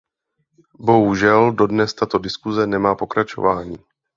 Bohužel, dodnes tato diskuse nemá pokračování.